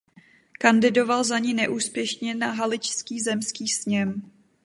Kandidoval za ni neúspěšně na Haličský zemský sněm.